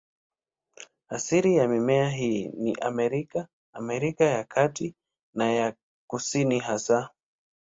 Asilia ya mimea hii ni Amerika, Amerika ya Kati na ya Kusini hasa.